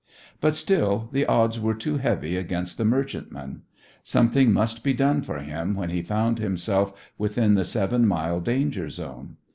But still the odds were too heavy against the merchantman. Something must be done for him when he found himself within the seven mile danger zone.